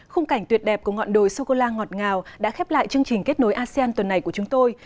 khung cảnh tuyệt đẹp của ngọn đồi sô cô la ngọt ngào đã khép lại chương trình kết nối asean tuần này của chúng tôi